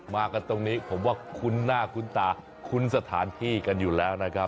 มากันตรงนี้ผมว่าคุ้นหน้าคุ้นตาคุ้นสถานที่กันอยู่แล้วนะครับ